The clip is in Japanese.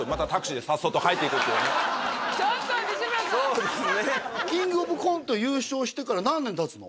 そうですねキングオブコント優勝してから何年たつの？